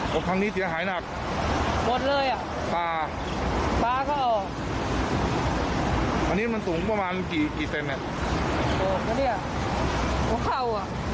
ครั้งนี้เสียหายหนักหมดเลยอ่ะปลาปลาก็อันนี้มันสูงประมาณกี่กี่เซนเนี่ยหัวเข่าอ่ะ